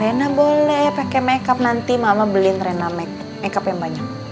rina boleh pake makeup nanti mama beliin rina makeup yang banyak